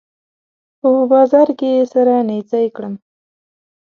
په بازار کې يې سره نيڅۍ کړم